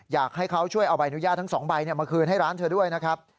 อยากให้เขาช่วยเอาใบอนุญาตทั้ง๒ใบมาคืนให้ร้านเธอด้วยนะครับ